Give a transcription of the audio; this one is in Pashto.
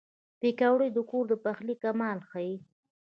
پکورې د کور د پخلي کمال ښيي